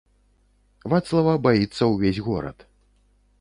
Вацлава баіцца ўвесь горад.